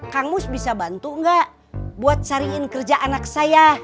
kang mus bisa bantu nggak buat cariin kerja anak saya